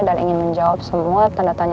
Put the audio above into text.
dan ingin menjawab semua tanda tanya